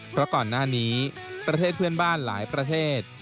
เพราะก่อนหน้านี้ประเทศเพื่อนบ้านหลายประเทศ